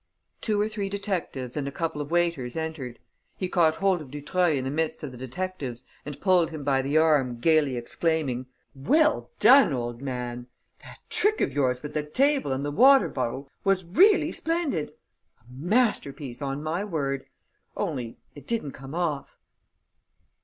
Two or three detectives and a couple of waiters entered. He caught hold of Dutreuil in the midst of the detectives and pulled him by the arm, gaily exclaiming: "Well done, old man! That trick of yours with the table and the water bottle was really splendid! A masterpiece, on my word! Only, it didn't come off!"